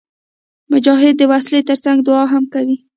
مجاهد د وسلې تر څنګ دعا هم کوي.